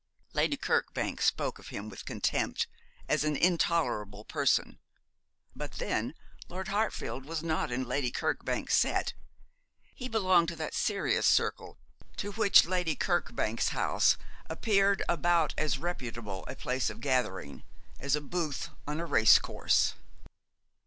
Lady Kirkbank spoke of him with contempt, as an intolerable person. But then Lord Hartfield was not in Lady Kirkbank's set. He belonged to that serious circle to which Lady Kirkbank's house appeared about as reputable a place of gathering as a booth on a race course.